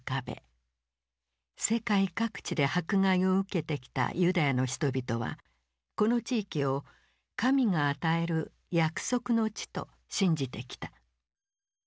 世界各地で迫害を受けてきたユダヤの人々はこの地域を神が与える約束の地と信じてきた。